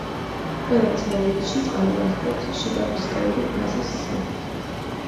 ყველა ცეოლითში წყალი არსებობს შიგა კრისტალური ფაზის სახით.